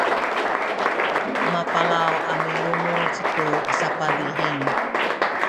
mapalaw a milunguc tu sapadihing